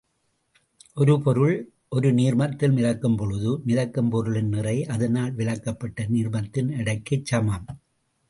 ஒரு பொருள் ஒரு நீர்மத்தில் மிதக்கும் பொழுது, மிதக்கும் பொருளின் நிறை, அதனால் விலக்கப்பட்ட நீர்மத்தின் எடைக்குச் சமம்.